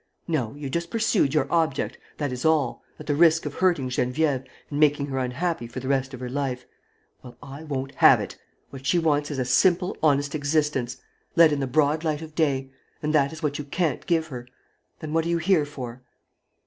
No, you just pursued your object, that is all, at the risk of hurting Geneviève and making her unhappy for the rest of her life. ... Well, I won't have it! What she wants is a simple, honest existence, led in the broad light of day; and that is what you can't give her. Then what are you here for?"